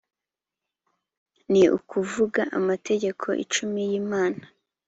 ni ukuvuga amategeko icumi y’imana